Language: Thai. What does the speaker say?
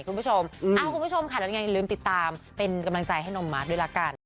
คุณผู้ชมค่ะแล้วยังไงลืมติดตามเป็นกำลังใจให้นมมาร์ทด้วยละกัน